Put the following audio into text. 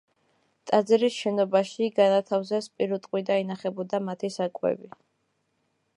ტაძრის შენობაში განათავსეს პირუტყვი და ინახებოდა მათი საკვები.